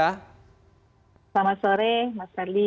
selamat sore mas fadli